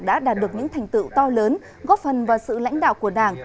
đã đạt được những thành tựu to lớn góp phần vào sự lãnh đạo của đảng